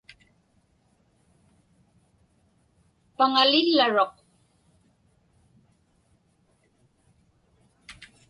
Paŋalillaruq.